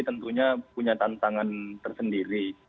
tentunya punya tantangan tersendiri